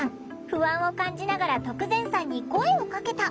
不安を感じながら徳善さんに声をかけた。